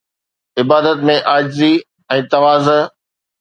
عبادت ۾ عاجزي ۽ تواضع